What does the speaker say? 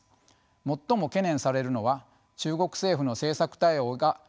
最も懸念されるのは中国政府の政策対応が鈍いことです。